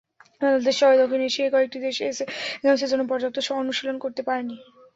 বাংলাদেশসহ দক্ষিণ এশিয়ার কয়েকটি দেশ এসএ গেমসের জন্য পর্যাপ্ত অনুশীলন করতে পারেনি।